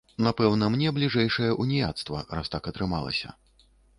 Напэўна, мне бліжэйшае ўніяцтва, раз так атрымалася.